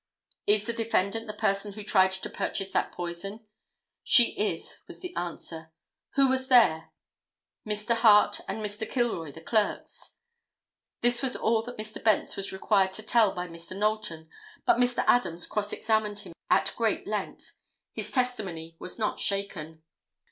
"Is the defendant the person who tried to purchase this poison?" "She is," was the answer. "Who was there?" "Mr. Hart and Mr. Kilroy, the clerks." This was all that Mr. Bence was required to tell by Mr. Knowlton, but Mr. Adams cross examined him at great length. His testimony was not shaken.